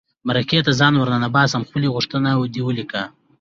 مرکې ته ځان ور ننباسي خپله غوښتنه دې ولیکي.